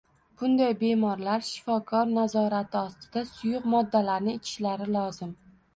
Bunday bemorlar shifokor nazorati ostida suyuq moddalarni ichishlari lozim.